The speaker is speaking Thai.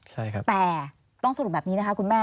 แต่ต้องสรุปแบบนี้นะคะคุณแม่